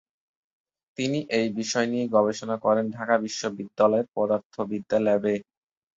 তিনি এই বিষয় নিয়ে গবেষণা করেন ঢাকা বিশ্ববিদ্যালয়ের পদার্থবিদ্যা ল্যাবে।